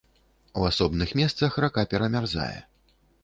У асобных месцах рака перамярзае.